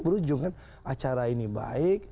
berujung acara ini baik